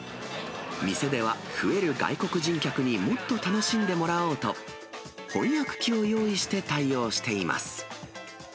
店では増える外国人客にもっと楽しんでもらおうと、翻訳機を用意して対応しています。